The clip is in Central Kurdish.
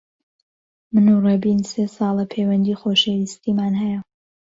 من و ڕێبین سێ ساڵە پەیوەندیی خۆشەویستیمان هەیە.